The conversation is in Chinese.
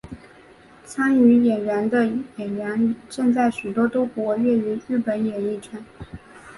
参与演出的演员现在许多都活跃于日本演艺圈。